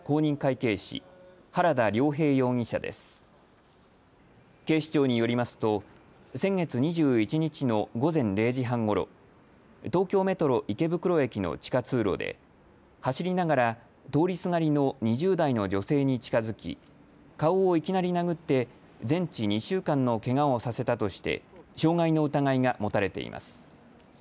警視庁によりますと先月２１日の午前０時半ごろ東京メトロ池袋駅の地下通路で走りながら通りすがりの２０代の女性に近づき顔をいきなり殴って全治２週間のけがをさせたとして傷害の疑いが持たれています。